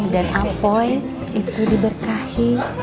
dan ampoi itu diberkahi